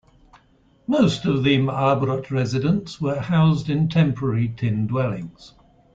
Most of ma'abarot residents were housed in temporary tin dwellings.